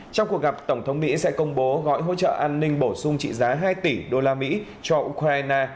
trong cuộc gặp tổng thống mỹ sẽ công bố gói hỗ trợ an ninh bổ sung trị giá hai tỷ usd cho ukraine